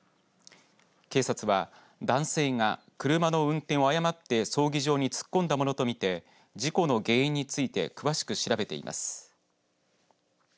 警察は、男性が車の運転を誤って葬儀場に突っ込んだものと見て事故の原因について詳しく調べています。